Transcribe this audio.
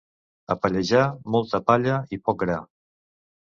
A Pallejà, molta palla i poc gra.